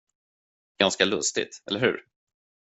Ganska lustigt, eller hur?